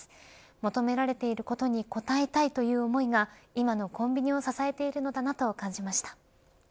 求められていることに応えたいという思いが今のコンビニを支えているのだなと感じました。